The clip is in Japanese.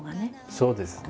そうですね。